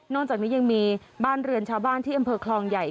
จากนี้ยังมีบ้านเรือนชาวบ้านที่อำเภอคลองใหญ่